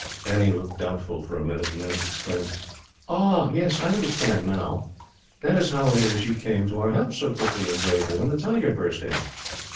Annie looked doubtful for a minute, and then exclaimed: "Ah, yes, I understand now. That is how it is you came to our help so quickly and bravely, when the tiger burst in."